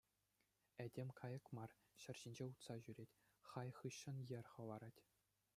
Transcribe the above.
Этем кайӑк мар, ҫӗр ҫинче утса ҫӳрет, хай хыҫҫӑн йӗр хӑварать.